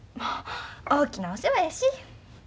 大きなお世話やし。